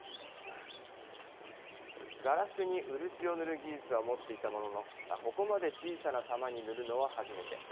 ガラスに漆を塗る技術は持っていたものの、ここまで小さな玉に塗るのは初めて。